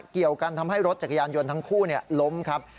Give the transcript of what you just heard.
เกี่ยวกันทำให้รถจักรยานยนต์ทั้งคู่ล้มครับ